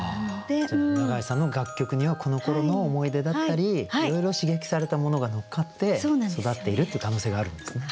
永井さんの楽曲にはこのころの思い出だったりいろいろ刺激されたものが乗っかって育っているっていう可能性があるんですね。